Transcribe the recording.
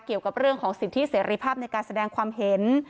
เกี่ยวกับเรื่องของสิทธิเสรีภาพในการแสดงความเห็น